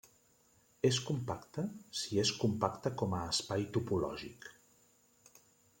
És compacte si és compacte com a espai topològic.